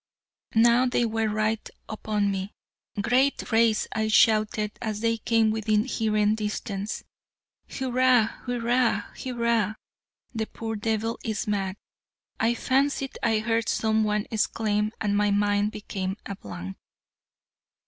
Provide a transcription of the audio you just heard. Now they were right upon me. "Great race," I shouted, as they came within hearing distance. "Hurrah! Hurrah! Hurrah!" "The poor devil is mad," I fancied I heard someone exclaim, and my mind became a blank.